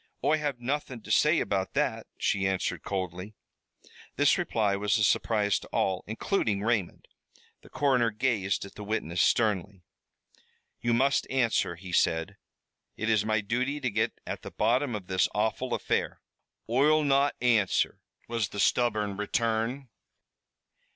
"Oi have nothin' to say about that," she answered coldly. This reply was a surprise to all, including Raymond. The coroner gazed at the witness sternly. "You must answer," he said. "It is my duty to get at the bottom of this awful affair." "Oi'll not answer," was the stubborn return.